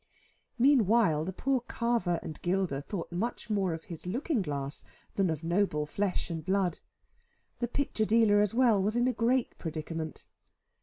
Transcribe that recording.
Meanwhile the poor carver and gilder thought much more of his looking glass than of noble flesh and blood. The picture dealer as well was in a great predicament.